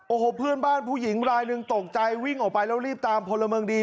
โอ้โหเพื่อนบ้านผู้หญิงรายหนึ่งตกใจวิ่งออกไปแล้วรีบตามพลเมืองดี